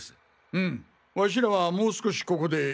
うむワシらはもう少しここで。